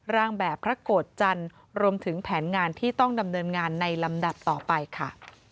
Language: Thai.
แบบพระโกรธจันทร์รวมถึงแผนงานที่ต้องดำเนินงานในลำดับต่อไปค่ะ